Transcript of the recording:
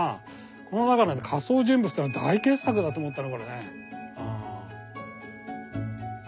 この中の「仮装人物」ってのは大傑作だと思ったなこれね。